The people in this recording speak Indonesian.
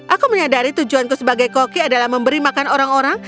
aku menyadari tujuanku sebagai koki adalah memberi makan orang orang